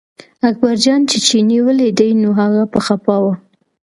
اکبرجان چې چیني ولیده، نو هغه په غپا و.